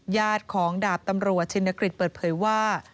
ญาติของดาบตำรวจชินกฤษเปิดเผยว่า